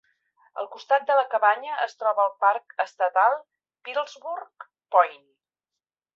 Al costat de la cabanya es troba el parc estatal Pillsbury Point.